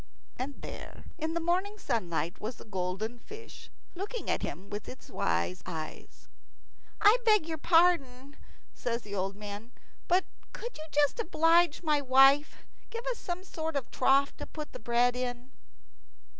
And there in the morning sunlight was the golden fish, looking at him with its wise eyes. "I beg your pardon," says the old man, "but could you, just to oblige my wife, give us some sort of trough to put the bread in?"